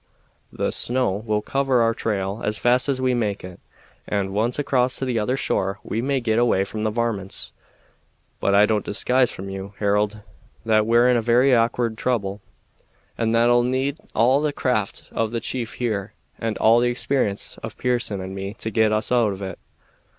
The snow will cover our trail as fast as we make it, and, once across to the other shore, we may git away from the varmints. But I don't disguise from you, Harold, that we're in a very awk'ard trouble, and that it 'll need all the craft of the chief, here, and all the experience of Pearson and me to get us out of it."